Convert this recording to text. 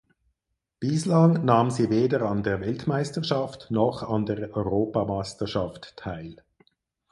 Bislang nahm sie weder an der Weltmeisterschaft noch an der Europameisterschaft teil.